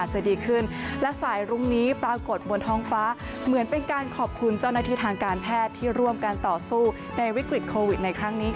จะดีขึ้นและสายรุ้งนี้ปรากฏบนท้องฟ้า